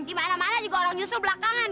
di mana mana juga orang nyusul belakangan